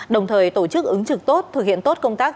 đồng thời tổ chức ứng trực tốt thực hiện tốt công tác